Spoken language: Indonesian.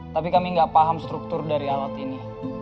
tapi kami nggak paham struktur dari alat ini